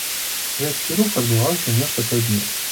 Гэткі рух адбываўся нешта тры дні.